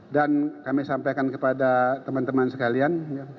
dan kami sampaikan kepada teman teman sekalian